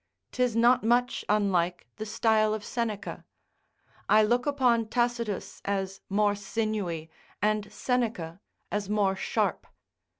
'Tis not much unlike the style of Seneca: I look upon Tacitus as more sinewy, and Seneca as more sharp.